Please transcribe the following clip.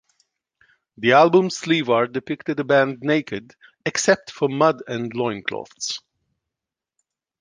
The album's sleeve art depicted the band naked, except for mud and loincloths.